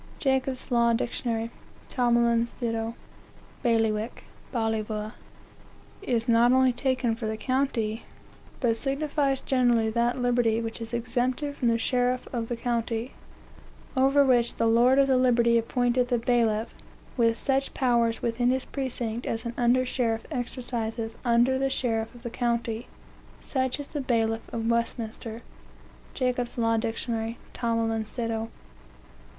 " Jacob's Law Dict. Tomlin's do. "BAILIWICK, balliva, is not only taken for the county, but signifies generally that liberty which is exempted from the sheriff of the county, over which the lord of the liberty appointeth a bailiff, with such powers within his precinct as an under sheriff exerciseth under the sheriff of the county; such as the bailiff of Westminster." Jacob's Law Dict. Tomlin's do.